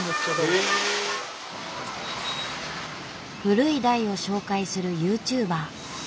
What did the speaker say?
古い台を紹介するユーチューバー。